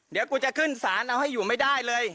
เดี๋ยวกูจะขึ้นศาลเอาให้อยู่ไม่ได้เลย